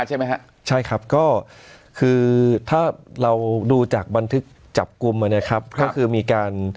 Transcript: ใช่ไหมฮะใช่ครับก็คือถ้าเราดูจากบันทึกจับกลุ่มนะครับก็คือมีการ